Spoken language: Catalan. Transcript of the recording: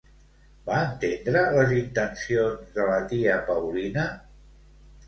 Va entendre les intencions de la tia Paulina?